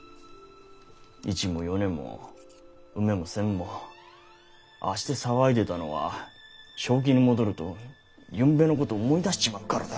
イチもヨネもウメもセンもああして騒いでたのは正気に戻るとゆんべのこと思い出しちまうがらだ。